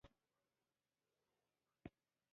د سیند په منځ کې ګرېب په ډله ډله ګرځېدل.